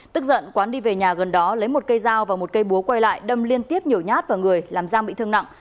tức giận quán đi về nhà gần đó lấy một cây dao và một cây búa quay lại đâm liên tiếp nhiều nhát vào người làm giang bị thương nặng